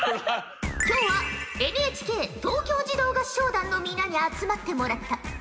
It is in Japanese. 今日はＮＨＫ東京児童合唱団の皆に集まってもらった。